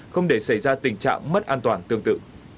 không để xảy ra tình trạng mất an toàn tương tự